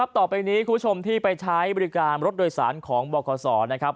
ต่อไปนี้คุณผู้ชมที่ไปใช้บริการรถโดยสารของบคศนะครับ